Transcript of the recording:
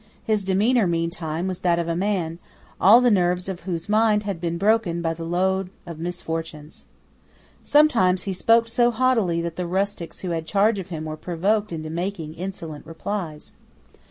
His demeanour meantime was that of a man, all the nerves of whose mind had been broken by the load of misfortunes. Sometimes he spoke so haughtily that the rustics who had charge of him were provoked into making insolent replies.